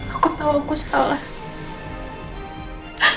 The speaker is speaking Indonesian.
aku tahu aku salah